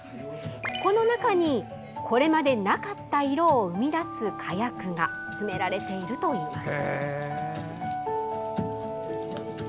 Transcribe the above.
この中に、これまでなかった色を生み出す火薬が詰められているといいます。